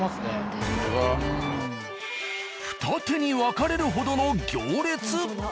二手に分かれるほどの行列！？